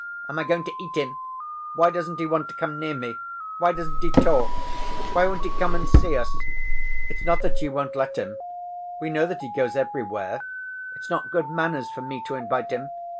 Am I going to eat him? Why doesn't he want to come near me? Why doesn't he talk? Why won't he come and see us? It's not that you won't let him. We know that he goes everywhere. It's not good manners for me to invite him.